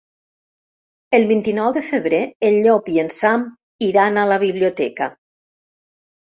El vint-i-nou de febrer en Llop i en Sam iran a la biblioteca.